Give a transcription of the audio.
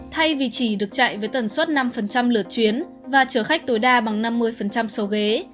thay vì chỉ được chạy với tần suất năm lượt chuyến và chở khách tối đa bằng năm mươi số ghế